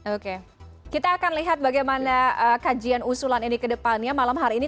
oke kita akan lihat bagaimana kajian usulan ini ke depannya malam hari ini